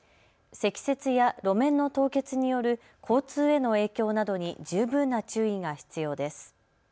積雪や路面の凍結による交通への影響などに十分な注意が必要です。